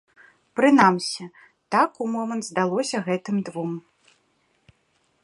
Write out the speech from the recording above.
Прынамсі, так умомант здалося гэтым двум.